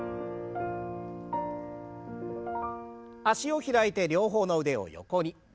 脚を開いて両方の腕を横に。